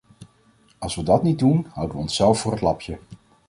Als we dat niet doen, houden we onszelf voor het lapje.